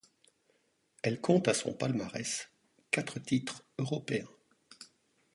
Elle compte à son palmarès quatre titres européens.